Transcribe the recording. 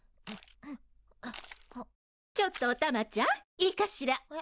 ちょっとおたまちゃんいいかしら？